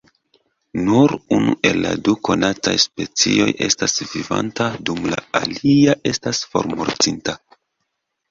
Nur unu el la du konataj specioj estas vivanta dum la alia estas formortinta.